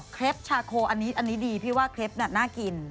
เขลศ์ชาโคนอันนี้ดีพี่ว่าหน้ากิน